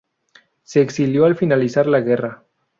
Se exilió al finalizar la guerra.